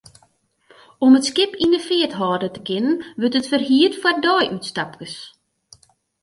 Om it skip yn 'e feart hâlde te kinnen, wurdt it ferhierd foar deiútstapkes.